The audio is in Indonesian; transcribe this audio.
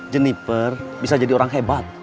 jenniper bisa jadi orang hebat